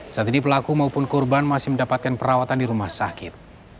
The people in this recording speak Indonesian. saat ini pelaku maupun korban masih mendapatkan perawatan di rumah sakit